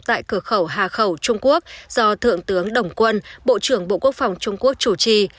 tại cửa khẩu hà khẩu trung quốc do thượng tướng đồng quân bộ trưởng bộ quốc phòng trung quốc chủ trì